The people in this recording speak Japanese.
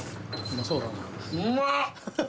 うまっ。